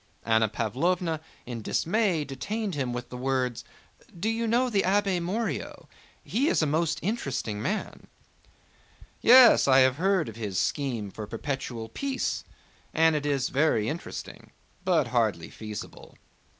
Anna Pávlovna in dismay detained him with the words: "Do you know the Abbé Morio? He is a most interesting man." "Yes, I have heard of his scheme for perpetual peace, and it is very interesting but hardly feasible."